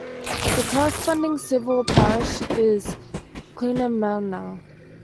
The corresponding civil parish is Kilnamanagh.